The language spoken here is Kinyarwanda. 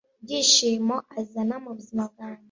ibyishimo azana mubuzima bwanjye